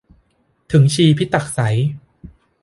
ถึงชีพิตักษัย